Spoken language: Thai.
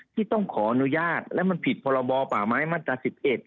ที่ต้องขออนุญาตแล้วมันผิดประบอบป่าไม้มาตรศิษย์๑๑